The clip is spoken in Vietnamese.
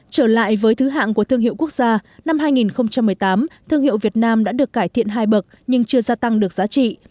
trở lại với thứ hạng của thương hiệu quốc gia năm hai nghìn một mươi tám thương hiệu việt nam đã được cải thiện hai bậc nhưng chưa gia tăng được giá trị